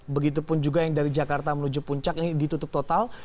begitupun juga yang dari jakarta menuju puncak ini ditutup total